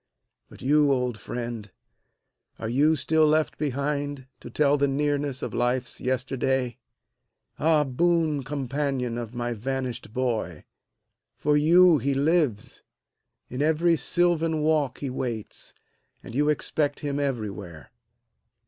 But you old friend, are you still left behind To tell the nearness of life's yesterday ? THE FALLEN 379 Ah, boon companion of my vanished boy, For you he lives ; in every sylvan walk He waits ; and you expect him everywhere.